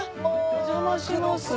お邪魔します。